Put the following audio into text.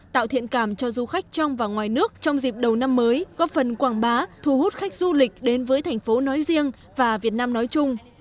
tạo thiện cảm cho du khách trong và ngoài nước trong dịp đầu năm mới góp phần quảng bá thu hút khách du lịch đến với thành phố nói riêng và việt nam nói chung